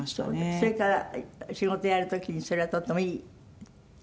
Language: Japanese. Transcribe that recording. それから仕事やる時にそれはとてもいい助けになった？